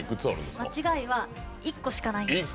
間違いは１個しかないんです。